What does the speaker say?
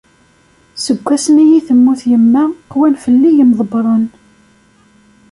Seg wasmi i temmut yemma, qwan fell-i yemḍebbren.